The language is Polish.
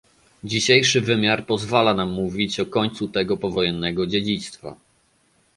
Dzisiejszy wymiar pozwala nam mówić o końcu tego powojennego dziedzictwa